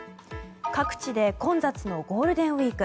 各地で混雑のゴールデンウィーク。